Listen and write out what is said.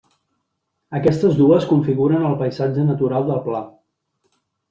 Aquestes dues configuren el paisatge natural del Pla.